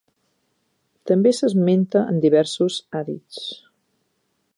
També s'esmenta en diversos hadits.